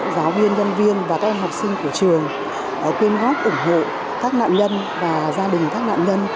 và các em học sinh của trường đã dành một phút mặc niệm đối với các nạn nhân